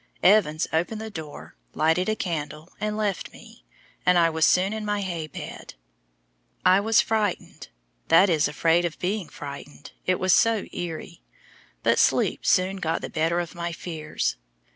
Evans opened the door, lighted a candle, and left me, and I was soon in my hay bed. I was frightened that is, afraid of being frightened, it was so eerie but sleep soon got the better of my fears.